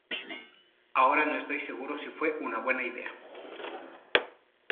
Ahora no estoy seguro si fue una buena idea.